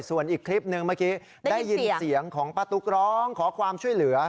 ส่วนอีกคลิปหนึ่งเมื่อกี้ได้ยินเสียงของป้าตุ๊กร้องขอความช่วยเหลือ